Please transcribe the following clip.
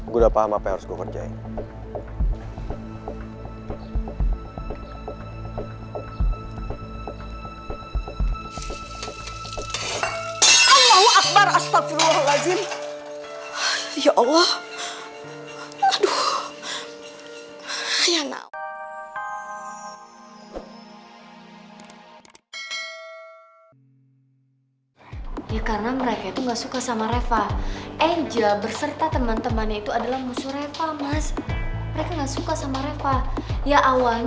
gue udah paham apa yang harus gue kerjain